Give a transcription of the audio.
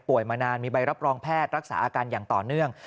มานานมีใบรับรองแพทย์รักษาอาการอย่างต่อเนื่อง